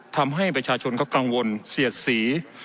ทำให้ประชาชนเขากังวลเสียดสี